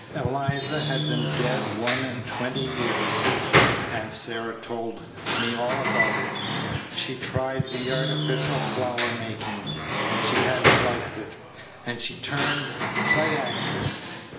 "Eliza had been dead one and twenty years. Aunt Sarah told me all about it. She'd tried the artificial flower makin', and she had n't liked it. And she turned play actress.